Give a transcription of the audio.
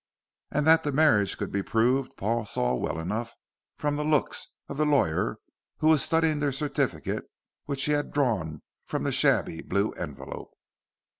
And that the marriage could be proved Paul saw well enough from the looks of the lawyer, who was studying the certificate which he had drawn from the shabby blue envelope.